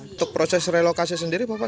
untuk proses relokasi sendiri bapak